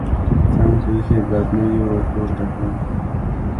څنګ ته ايښی بدنۍ يې ورپورته کړه.